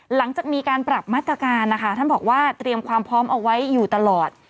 หลังจากมีการปรับมาตรการนะคะท่านบอกว่าเตรียมความพร้อมเอาไว้อยู่ตลอด